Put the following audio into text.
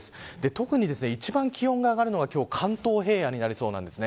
特に一番気温が上がるのは今日は関東平野になりそうです。